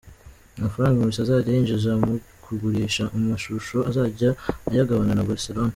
Amafaranga Messi azajya yinjiza mu kugurisha amashusho azajya ayagabana na Barcelona.